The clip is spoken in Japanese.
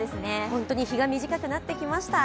本当に日が短くなってきました。